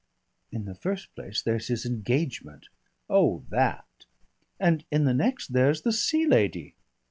"In the first place there's his engagement " "Oh, that!" "And in the next there's the Sea Lady."